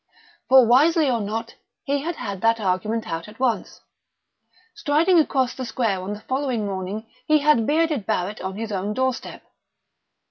For, wisely or not, he had had that argument out at once. Striding across the square on the following morning, he had bearded Barrett on his own doorstep.